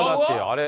あれ？